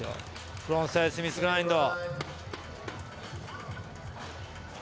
フロントサイドスミスグラインド。